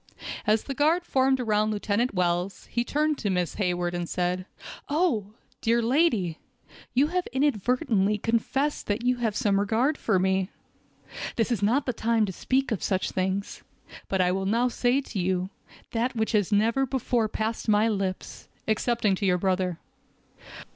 As the guard formed around Lieutenant Wells, he turned to Miss Hayward, and said: "Oh! dear lady, you have inadvertently confessed that you had some regard for me. This is not a time to speak of such things, but I will now say to you, that which has never before passed my lips, excepting to your brother.